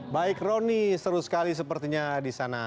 baik roni seru sekali sepertinya di sana